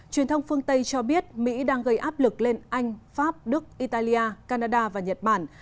truyền thông phương tây cho biết mỹ đang gây áp lực lên anh pháp đức italia canada và nhật bản